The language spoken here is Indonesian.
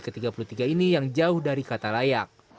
ketiga puluh tiga ini yang jauh dari kata layak